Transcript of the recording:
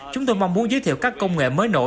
chúng tôi mong muốn giới thiệu các công nghệ mới nổi